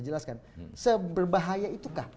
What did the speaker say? jelaskan seberbahaya itukah